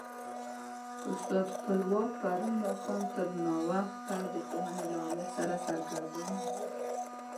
استاد خپلواک پرون ماښام تر ناوخته د پوهنې له امر سره سرګردانه و.